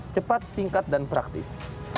cepat singkat dan praktis